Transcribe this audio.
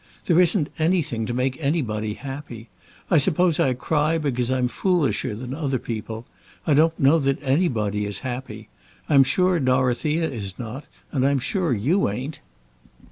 There isn't anything to make anybody happy. I suppose I cry because I'm foolisher than other people. I don't know that anybody is happy. I'm sure Dorothea is not, and I'm sure you ain't."